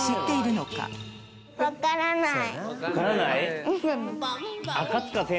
分からない？